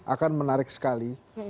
akan menarik sekali